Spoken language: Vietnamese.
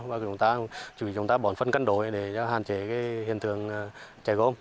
và chúng ta bỏ phân cân đổi để hạn chế hiện tượng chảy gôm